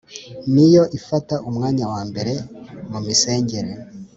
ni yo ifata umwanya wa mbere mu misengere